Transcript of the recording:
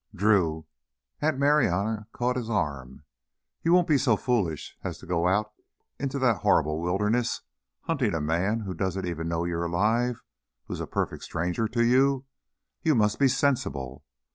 "Drew" Aunt Marianna caught his arm "you won't be so foolish as to go out into that horrible wilderness hunting a man who doesn't even know you're alive who's a perfect stranger to you? You must be sensible.